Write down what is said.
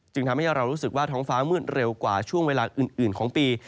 ทำให้เรารู้สึกว่าท้องฟ้ามืดเร็วกว่าช่วงเวลาอื่นของปี